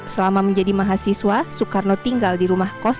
selama menjadi mahasiswa soekarno tinggal di rumah kos